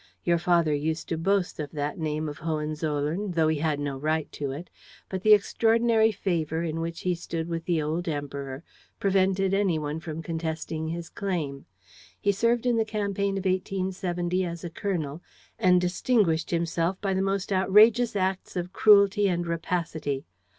Your father used to boast of that name of Hohenzollern, though he had no right to it; but the extraordinary favor in which he stood with the old Emperor prevented any one from contesting his claim. He served in the campaign of 1870 as a colonel and distinguished himself by the most outrageous acts of cruelty and rapacity.